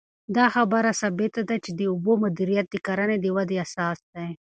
دا خبره ثابته ده چې د اوبو مدیریت د کرنې د ودې اساس دی.